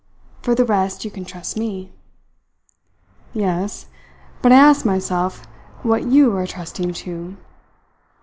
For the rest you can trust me." "Yes; but I ask myself what YOU are trusting to."